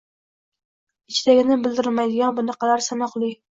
ichidagini bildirmaydigan, bunaqalar sanoqli.